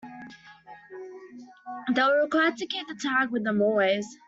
They were required to keep the tag with them always.